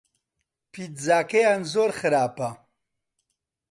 پیتزاکەیان زۆر خراپە.